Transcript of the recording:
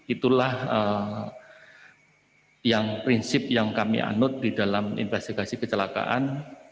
itulah yang prinsip yang kami anut di dalam investigasi kecelakaan